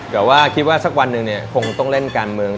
แต่ว่าคิดว่าสักวันหนึ่งเนี่ยคงต้องเล่นการเมือง